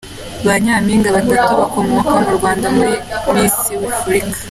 Ba Nyampinga batatu bakomoka mu Rwanda muri Misi wafurika